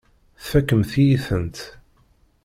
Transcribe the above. Tfakemt-iyi-tent.